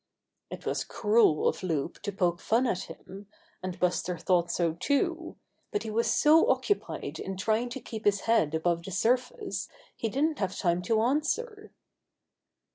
It was cruel of Loup to poke fun at him, and Buster thought so too, but he was so occupied in trying to keep his head above the surface he didn't have time to answer.